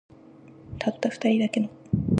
たった二人だけの